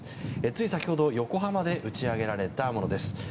つい先ほど横浜で打ち上げられたものです。